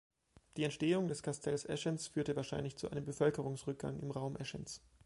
Die Entstehung des Kastells Eschenz führte wahrscheinlich zu einem Bevölkerungsrückgang im Raum Eschenz.